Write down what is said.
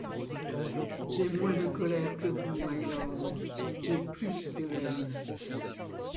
J’ai moins de colère que vous, mylord, j’ai plus de haine.